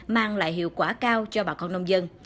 mang lại hiệu quả cao cho bà con nông dân